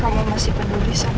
kamu masih peduli sama